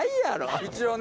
一応ね。